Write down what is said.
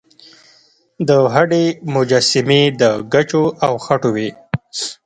د هډې مجسمې د ګچو او خټو وې